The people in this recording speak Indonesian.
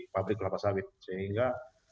pabrik kelapa sawit sehingga